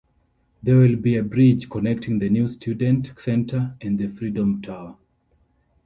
There will be a bridge connecting the new Student Center and the Freedom Tower.